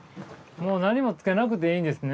もう何もつけなくていいんですね。